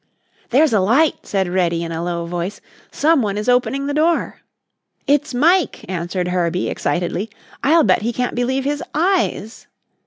"There's a light!" said Reddy in a low voice. "Someone is opening the door." "It's Mike!" answered Herbie, excitedly. "I'll bet he can't believe his eyes."